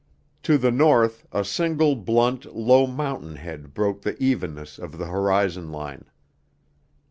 To the north a single blunt, low mountain head broke the evenness of the horizon line.